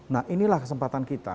nah inilah kesempatan kita